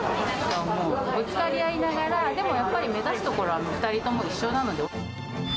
ぶつかり合いながら、でもやっぱり目指すところは２人とも一緒なので。